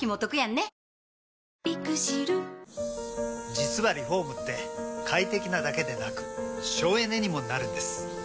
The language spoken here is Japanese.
実はリフォームって快適なだけでなく省エネにもなるんです。